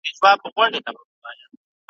رشتیا خبري یا مست کوي یا لني `